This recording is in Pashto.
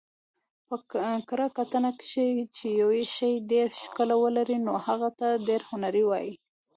په کره کتنه کښي، چي یوشي ډېره ښکله ولري نو هغه ته ډېر هنري وايي.